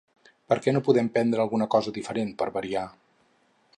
Per què no podem prendre alguna cosa diferent per variar?